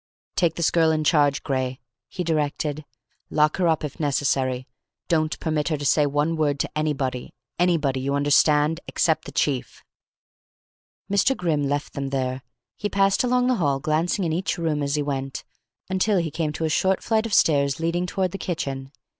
"Take this girl in charge, Gray," he directed. "Lock her up, if necessary. Don't permit her to say one word to anybody anybody you understand, except the chief." Mr. Grimm left them there. He passed along the hall, glancing in each room as he went, until he came to a short flight of stairs leading toward the kitchen.